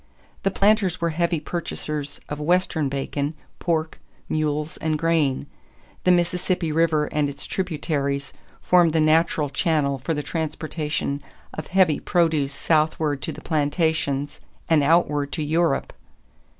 The planters were heavy purchasers of Western bacon, pork, mules, and grain. The Mississippi River and its tributaries formed the natural channel for the transportation of heavy produce southward to the plantations and outward to Europe.